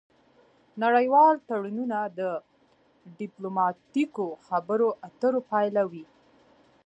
نړیوال تړونونه د ډیپلوماتیکو خبرو اترو پایله وي